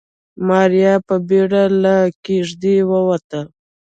ماريا په بيړه له کېږدۍ ووته.